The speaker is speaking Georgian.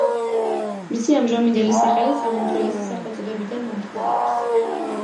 მისი ამჟამინდელი სახელიც ამ უძველესი სახელწოდებიდან მომდინარეობს.